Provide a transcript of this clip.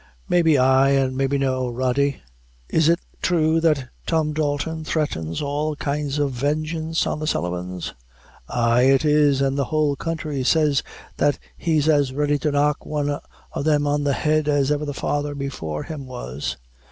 "Maybe ay, and maybe no, Rody. Is it true that Tom Dalton threatens all kinds of vengeance on the Sullivans?" "Ay, is it, an' the whole counthry says that he's as ready to knock one o' them on the head as ever the father before him was.